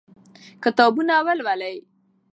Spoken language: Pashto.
کتابونه ولولئ.